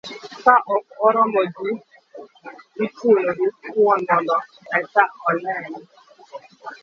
ka ok oromo, ji ichuno gi thuon mondo eka olem